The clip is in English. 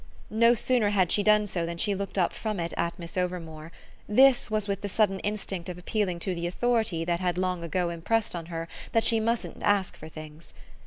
No sooner had she done so than she looked up from it at Miss Overmore: this was with the sudden instinct of appealing to the authority that had long ago impressed on her that she mustn't ask for things.